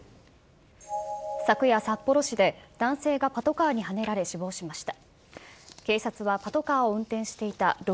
昨夜、札幌市で男性がパトカーにはねられ、死亡しました。